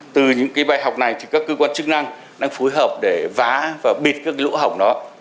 từ những bài học này các cơ quan chức năng đang phối hợp để vá và bịt các lỗ hỏng đó